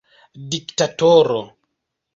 diktatoro